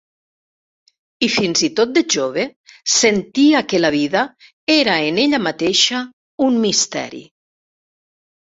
I fins i tot de jove, sentia que la vida era en ella mateixa un misteri.